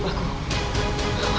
pada kalau lalu kita bahagia